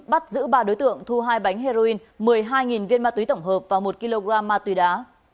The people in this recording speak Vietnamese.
bắt giữ ba đối tượng thu hai bánh heroin một mươi hai viên ma túy tổng hợp và một kg ma túy đá